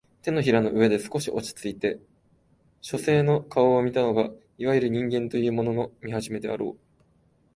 掌の上で少し落ちついて書生の顔を見たのがいわゆる人間というものの見始めであろう